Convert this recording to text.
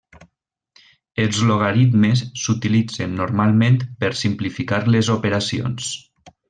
Els logaritmes s'utilitzen normalment per simplificar les operacions.